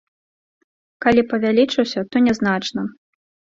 Калі павялічыўся, то нязначна.